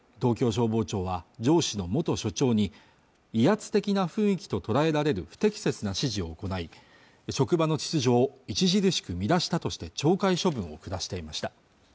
消防庁は上司の元所長に威圧的な雰囲気と捉えられる不適切な指示を行い職場の秩序を著しく乱したとして懲戒処分を下していました